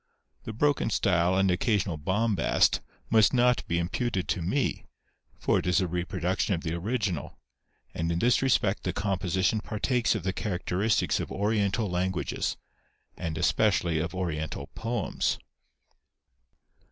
The broken style and occasional bombast must not be imputed to 152 THE SONG OF THE WILD COCK. me, for it is a reproduction of the original ; and in tins respect the composition partakes of the characteristics of Oriental languages, and especially of Oriental poems.